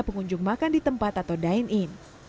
pengunjung makan di tempat atau dine in